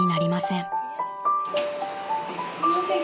すいません